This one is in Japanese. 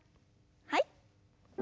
はい。